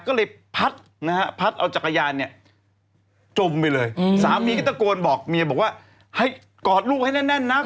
ก็เลยพัดนะฮะพัดเอาจักรยานเนี่ยจมไปเลยสามีก็ตะโกนบอกเมียบอกว่าให้กอดลูกให้แน่นนะ